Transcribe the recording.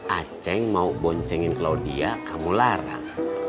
aceh mau boncengin claudia kamu larang